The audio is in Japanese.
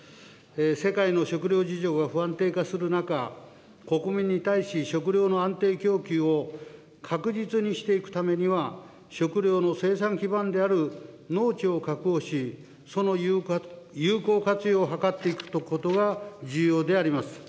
世界の食料事情が不安定化する中、国民に対し、食料の安定供給を確実にしていくためには、食料の生産基盤である農地を確保し、その有効活用を図っていくことが重要であります。